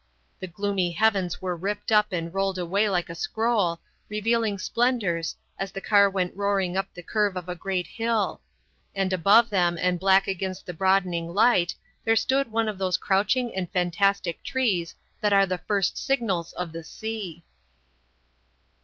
The gloomy heavens were ripped up and rolled away like a scroll, revealing splendours, as the car went roaring up the curve of a great hill; and above them and black against the broadening light, there stood one of those crouching and fantastic trees that are first signals of the sea.